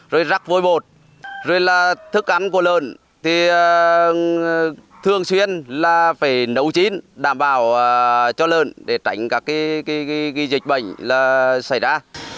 rồi rắc vôi bột rồi là thức ăn của lợn thì thường xuyên là phải nấu chín đảm bảo cho lợn để tránh các dịch bệnh xảy ra